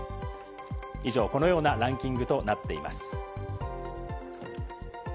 以上このようなランキングとなっています。